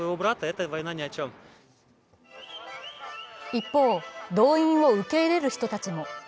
一方、動員を受け入れる人たちも。